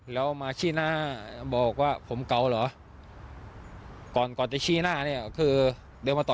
แล้วมาชี้หน้าบอกว่าผมเกาเหรอก่อนก่อนจะชี้หน้าเนี่ยคือเดินมาต่อ